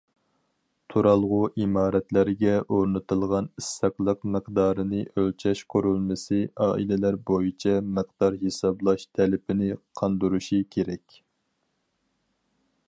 تۇرالغۇ ئىمارەتلەرگە ئورنىتىلغان ئىسسىقلىق مىقدارىنى ئۆلچەش قۇرۇلمىسى ئائىلىلەر بويىچە مىقدار ھېسابلاش تەلىپىنى قاندۇرۇشى كېرەك.